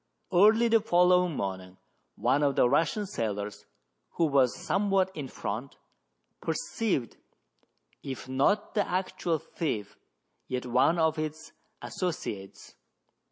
Early the following morning one of the Russian sailors, who was somewhat in front, perceived, if not the actual thief, yet one of its associates.